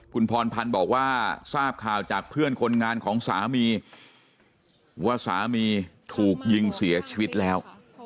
คุณพรพันธ์บอกว่าทราบข่าวจากเพื่อนคนงานของสามีว่าสามีถูกยิงเสียชีวิตแล้ว